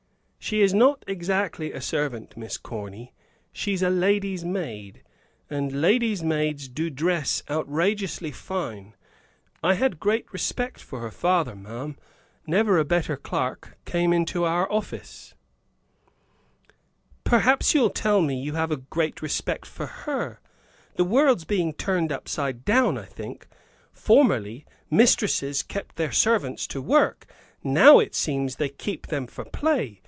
"She is not exactly a servant, Miss Corny, she's a lady's maid; and ladies' maids do dress outrageously fine. I had great respect for her father, ma'am; never a better clerk came into our office." "Perhaps you'll tell me you have a respect for her! The world's being turned upside down, I think. Formerly, mistresses kept their servants to work; now it seems they keep them for play!